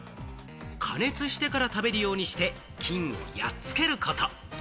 加熱してから食べるようにして菌をやっつけること。